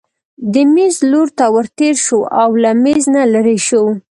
د مېز لور ته ورتېر شو او له مېز نه لیرې شو.